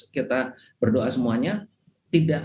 kita berdoa semuanya